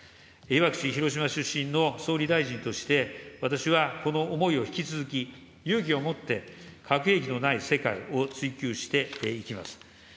被爆地、広島出身の総理大臣として、私はこの思いを引き続き、勇気を持って、核兵器のない世界を追求していきます。